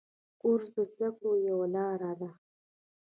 کورس د زده کړو یوه لاره ده.